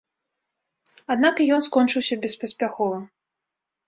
Аднак і ён скончыўся беспаспяхова.